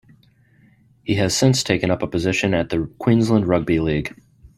He has since taken up a position at the Queensland Rugby League.